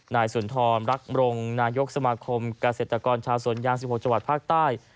นายสุนทรรักมรงนายกสมาคมเกษตรกรชาวสวนยาง๑๖จังหวัดภาคใต้